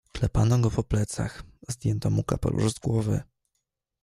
"Klepano go po plecach, zdjęto mu kapelusz z głowy."